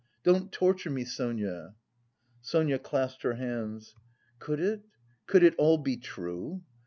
Don't torture me, Sonia." Sonia clasped her hands. "Could it, could it all be true?